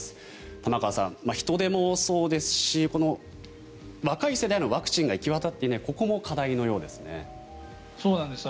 玉川さん、人出もそうですし若い世代へのワクチンが行き渡っていないここも課題のようですね。